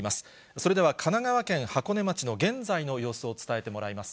それでは神奈川県箱根町の現在の様子を伝えてもらいます。